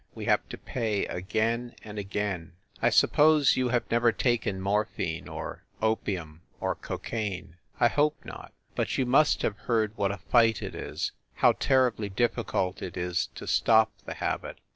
We have to pay again and again ! I suppose you have never taken morphine, or opium, or cocaine ? I hope not. But you must have heard what a fight it is, how terribly difficult it is to stop the habit.